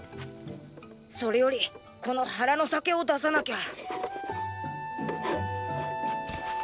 それよりこの腹の酒を出さなきゃ。